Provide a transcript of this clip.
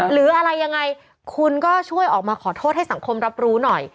หรืออะไรยังไงคุณก็ช่วยออกมาขอโทษให้สังคมรับรู้หน่อย